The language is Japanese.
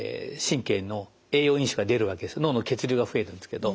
脳の血流が増えるんですけど。